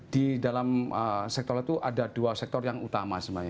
di dalam sektor itu ada dua sektor yang utama sebenarnya